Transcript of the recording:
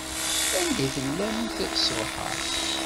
Anda i tellamt ṣṣbeḥ-a?